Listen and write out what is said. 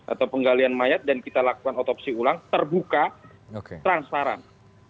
atau penggalian mayat dan kita lakukan otopsi ulang terbuka transparan